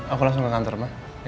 aku langsung ke kantor mah